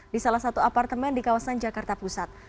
di salah satu apartemen di kawasan jakarta pusat